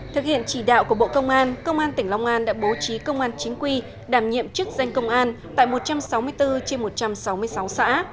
thực hiện chỉ đạo của bộ công an công an tỉnh long an đã bố trí công an chính quy đảm nhiệm chức danh công an tại một trăm sáu mươi bốn trên một trăm sáu mươi sáu xã